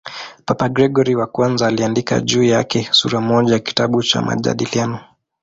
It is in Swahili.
Papa Gregori I aliandika juu yake sura moja ya kitabu cha "Majadiliano".